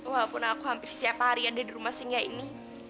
walaupun aku hampir setiap hari ada di rumah singgah ini